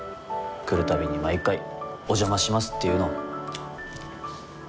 来るたびに毎回「お邪魔します」って言うの。